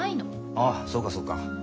ああそうかそうか。